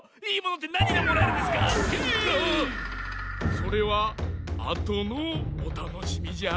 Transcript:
それはあとのおたのしみじゃ。